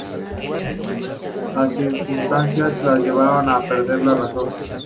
Las circunstancias les llevarán a perder la razón.